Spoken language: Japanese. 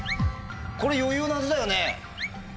これ余裕なはずだよね？